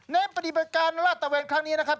ปฏิบัติการลาดตะเวนครั้งนี้นะครับ